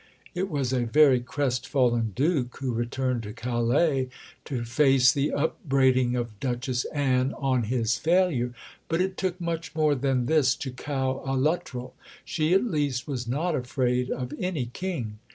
It was a very crestfallen Duke who returned to Calais to face the upbraiding of Duchess Anne on his failure. But it took much more than this to cow a Luttrell. She at least was not afraid of any king.